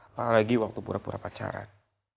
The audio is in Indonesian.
apa lagi waktu pura pura pacaran